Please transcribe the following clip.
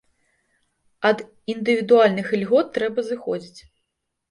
Ад індывідуальных ільгот трэба зыходзіць.